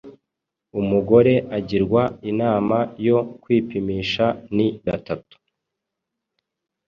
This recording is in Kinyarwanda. umugore agirwa inama yo kwipimisha ni gatatu